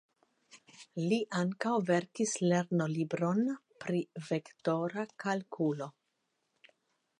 Li ankaŭ verkis lernolibron pri vektora kalkulo.